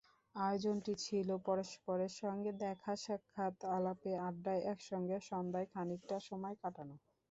আয়োজনটি ছিল পরস্পরের সঙ্গে দেখা-সাক্ষাৎ, আলাপে-আড্ডায় একসঙ্গে সন্ধ্যায় খানিকটা সময় কাটানো।